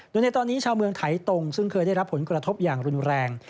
โดยในตอนนี้ชาวเมืองไถตรงซึ่งเคยได้รับผลกระทบอย่างรุนแรง